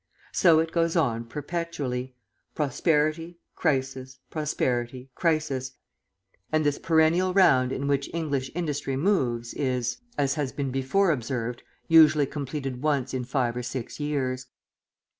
So it goes on perpetually, prosperity, crisis, prosperity, crisis, and this perennial round in which English industry moves is, as has been before observed, usually completed once in five or six years.